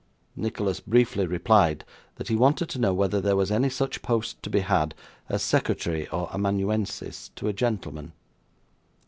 Nicholas briefly replied, that he wanted to know whether there was any such post to be had, as secretary or amanuensis to a gentleman.